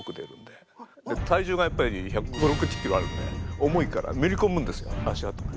で体重がやっぱり１５０１６０ｋｇあるんで重いからめりこむんですよ足跡が。